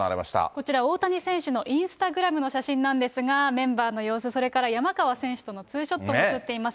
こちら、大谷選手のインスタグラムの写真なんですが、メンバーの様子、それから山川選手とのツーショットも写っています。